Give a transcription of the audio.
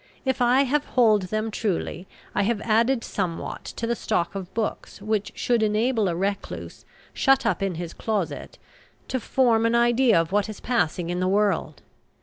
If I have told them truly, I have added somewhat to the stock of books which should enable a recluse, shut up in his closet, to form an idea of what is passing in the world.